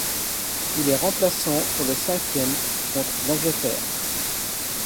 Il est remplaçant pour le cinquième, contre l'Angleterre.